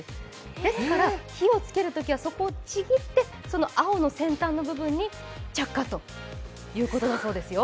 ですから、火をつけるときはそこをちぎって青の先端の部分に着火ということだそうですよ。